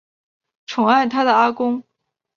宠爱她的阿公